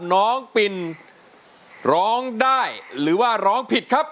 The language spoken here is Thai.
น้องปินร้องได้หรือว่าร้องผิดครับ